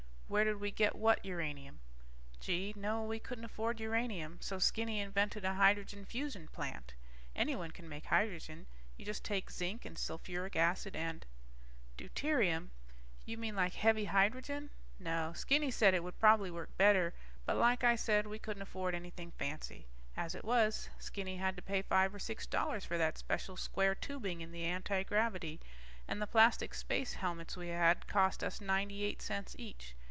Where did we get what uranium? Gee, no, we couldn't afford uranium, so Skinny invented a hydrogen fusion plant. Anyone can make hydrogen. You just take zinc and sulfuric acid and ... Deuterium? You mean like heavy hydrogen? No, Skinny said it would probably work better, but like I said, we couldn't afford anything fancy. As it was, Skinny had to pay five or six dollars for that special square tubing in the antigravity, and the plastic space helmets we had cost us ninety eight cents each.